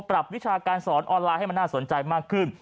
วิชาการสอนออนไลน์ให้มันน่าสนใจมากขึ้น